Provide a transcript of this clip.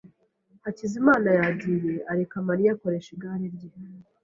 Hakizimana yagiye areka Mariya akoresha igare rye.